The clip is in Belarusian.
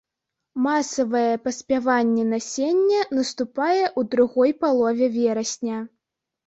Масавае паспяванне насення наступае ў другой палове верасня.